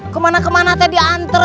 kemana kemana dia diantar